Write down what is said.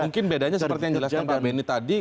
mungkin bedanya seperti yang jelaskan pak benny tadi